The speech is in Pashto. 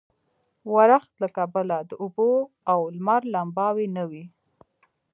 ورښت له کبله د اوبو او لمر لمباوې نه وې.